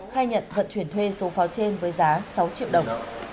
khai nhận vận chuyển thuê số pháo trên với giá sáu triệu đồng